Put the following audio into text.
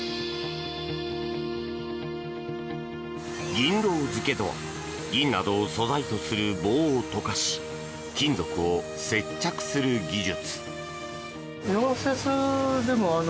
銀ロウ付けとは銀などを素材とする棒を溶かし金属を接着する技術。